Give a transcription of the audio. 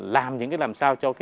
làm những cái làm sao cho